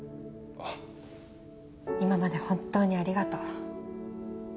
今まで本当にありがとう。